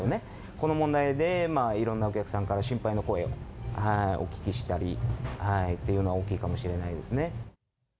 この問題で、いろんなお客さんから心配の声、お聞きしたりっていうのは大きいかもしれませんね。